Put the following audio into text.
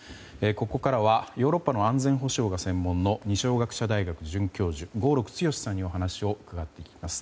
ここからはヨーロッパの安全保障が専門の二松学舎大学准教授合六強さんにお話を伺っていきます。